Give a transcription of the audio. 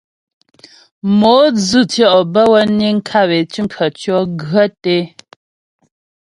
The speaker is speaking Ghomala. Mo dzʉtʉɔ bə́ wə niŋ kap é cʉm khətʉɔ̌ gwə́ té.